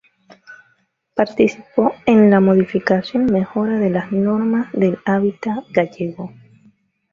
Participó en la modificación y mejora de las Normas del Hábitat Gallego.